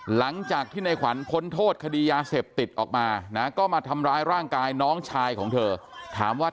หลังจากที่ในขวัญพ้นโทษคดียาเสพติดออกมานะก็มาทำร้ายร่างกายน้องชายของเธอถามว่า